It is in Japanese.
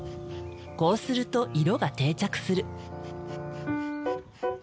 こうすると色が定着する。